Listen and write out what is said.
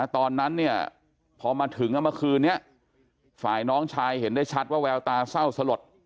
ตอนนั้นเนี่ยพอมาถึงเมื่อคืนนี้ฝ่ายน้องชายเห็นได้ชัดว่าแววตาเศร้าสลด